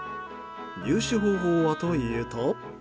入手方法はというと。